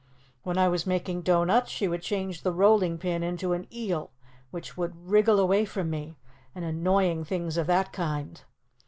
When I was making doughnuts, she would change the rolling pin into an eel which would wriggle away from me, and annoying things of that kind.